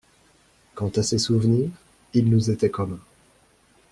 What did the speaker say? Quant à ses souvenirs, ils nous étaient communs.